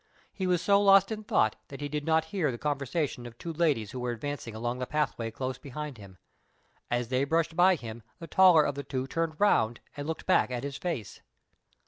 He was so lost in thought that he did not hear the conversation of two ladies who were advancing along the pathway close behind him. As they brushed by him, the taller of the two turned round and looked back at his face.